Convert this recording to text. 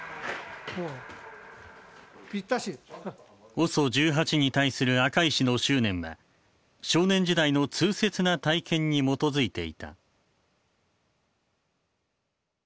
ＯＳＯ１８に対する赤石の執念は少年時代の痛切な体験に基づいていた。